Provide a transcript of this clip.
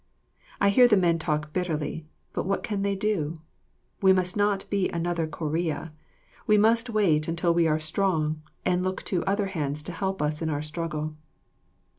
I hear the men talk bitterly; but what can they do. We must not be another Corea; we must wait until we are strong, and look to other hands to help us in our struggle.